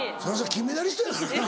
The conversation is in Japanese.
金メダリストやからな。